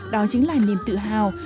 đó chính là niềm tự hào